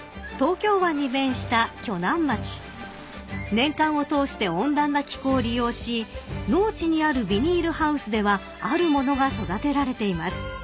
［年間を通して温暖な気候を利用し農地にあるビニールハウスではあるものが育てられています］